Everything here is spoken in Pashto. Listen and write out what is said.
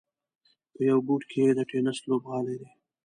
په یوه ګوټ کې یې د ټېنس لوبغالی دی.